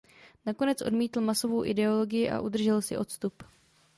Nakonec odmítl masovou ideologii a udržel si odstup.